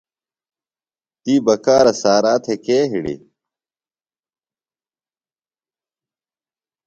تی بکارہ سارا تھےۡ کے ہِڑی؟